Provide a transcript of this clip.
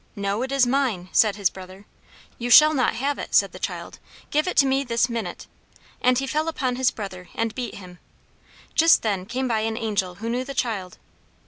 "No, it is mine!" said his brother. "You shall not have it!" said the child. "Give it to me this minute!" And he fell upon his brother and beat him. Just then came by an Angel who knew the child.